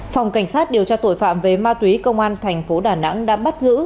phòng cảnh sát điều tra tội phạm về ma túy công an thành phố đà nẵng đã bắt giữ